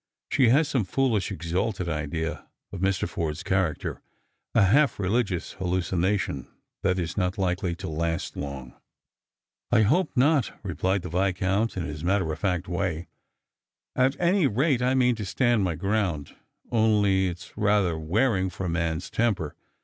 She has some foolish exalted idea of Mr. Forde's character, a half religious hallucination that is not likely to last long." *• I hope not," rejilied the Viscount in his matter of fact way. " At any rate, I mean to stand my ground ; only it's rather wearing for a man's temper.